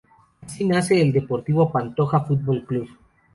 Así nace el Deportivo Pantoja Fútbol Club.